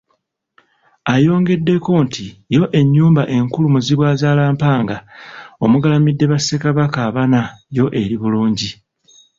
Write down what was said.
Ayongeddeko nti yo ennyumba enkulu Muzibwazaalampanga omugalamidde ba Ssekabaka abana yo eri bulungi.